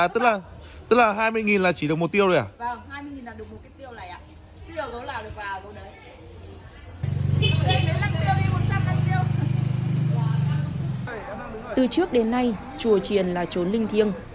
từ trước đến nay chùa triền là trốn linh thiêng